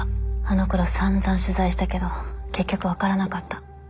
あのころさんざん取材したけど結局分からなかった。